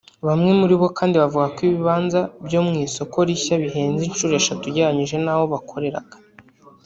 Bamwe muri bo kandi bavuga ko ibibanza byo mu isoko rishya bihenze inshuro eshatu ugereranije n’aho bakoreraga